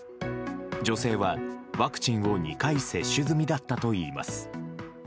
女性は、ワクチンを２回接種済みだったといいます。